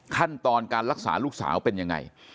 ขั้นตอนการรักษาลูกสาวเป็นยังไง